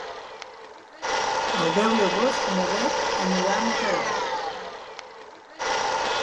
El deu d'agost na Beth anirà a Mataró.